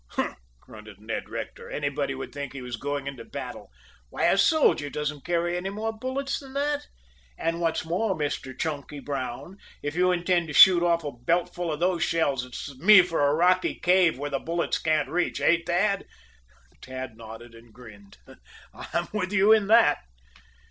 "Huh!" grunted Ned Rector. "Anybody would think he was going into battle. Why, a soldier doesn't carry any more bullets than that. And what's more, Mr. Chunky Brown, if you intend to shoot off a belt full of those shells, it's me for a rocky cave where the bullets can't reach. Eh, Tad?" Tad nodded and grinned. "I'm with you in that."